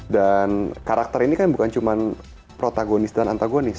karakter ini kan bukan cuma protagonis dan antagonis